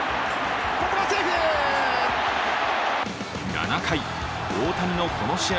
７回、大谷のこの試合